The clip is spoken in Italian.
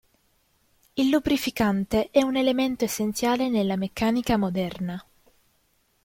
Il lubrificante è un elemento essenziale nella meccanica moderna.